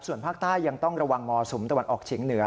ส่วนภาคใต้ยังต้องระวังมรสุมตะวันออกเฉียงเหนือ